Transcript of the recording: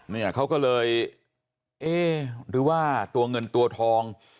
เนี่ยเขาก็เลยเอ๊ะหรือว่าตัวเงินตัวทอง